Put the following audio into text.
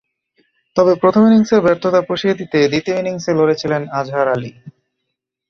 তবে প্রথম ইনিংসের ব্যর্থতা পুষিয়ে দিতে দ্বিতীয় ইনিংসে লড়েছিলেন আজহার আলী।